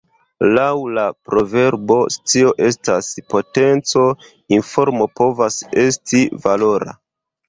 Laŭ la proverbo "scio estas potenco" informo povas esti valora.